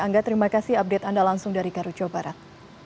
angga terima kasih update anda langsung dari karuco barat